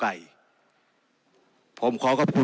ในฐานะรัฐสภาวนี้ตั้งแต่ปี๒๖๒